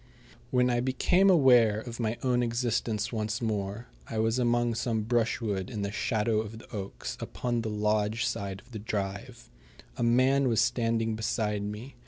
When I became aware of my own existence once more I was among some brushwood in the shadow of the oaks upon the lodge side of the drive. A man was standing beside me.